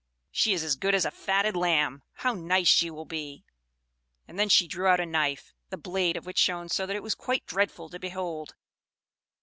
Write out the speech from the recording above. "She is as good as a fatted lamb! How nice she will be!" And then she drew out a knife, the blade of which shone so that it was quite dreadful to behold.